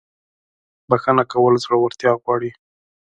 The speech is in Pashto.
• بخښنه کول زړورتیا غواړي.